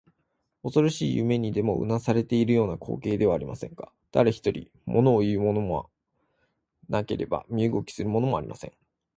おそろしい夢にでもうなされているような光景ではありませんか。だれひとり、ものをいうものもなければ身動きするものもありません。